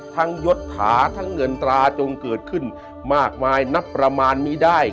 ยศถาทั้งเงินตราจงเกิดขึ้นมากมายนับประมาณนี้ได้